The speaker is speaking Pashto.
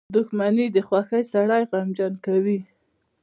• دښمني د خوښۍ سړی غمجن کوي.